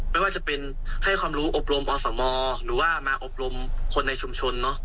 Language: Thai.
ไม่ว่าจะเป็นให้ความรู้อบรมอสมหรือว่ามาอบรมคนในชุมชนเนอะ